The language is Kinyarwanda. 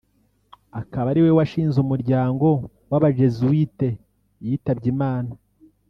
akaba ariwe washinze umuryango w’abajesuite yitabye Imana